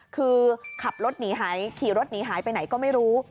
คือขับรถหนีหายขี่รถหนีหายไปไหนก็ไม่รู้